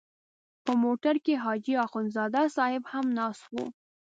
په موټر کې حاجي اخندزاده صاحب هم ناست و.